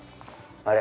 あれ。